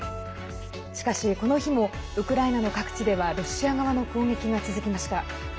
しかしこの日もウクライナの各地ではロシア側の攻撃が続きました。